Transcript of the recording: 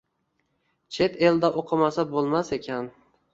Chet elda o’qimasa bo’lmas ekan.